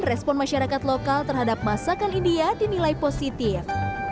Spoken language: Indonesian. respon masyarakat lokal terhadap masakan india dinilai positif